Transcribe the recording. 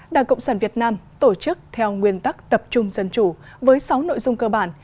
đảng cộng sản việt nam tổ chức theo nguyên tắc tập trung dân chủ với sáu nội dung cơ bản